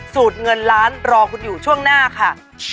เงินล้านรอคุณอยู่ช่วงหน้าค่ะ